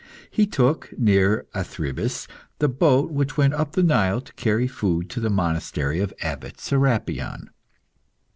He took, near Athribis, the boat which went up the Nile to carry food to the monastery of Abbot Serapion.